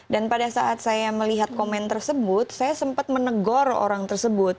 dan pada saat saya melihat komen tersebut saya sempat menegur orang tersebut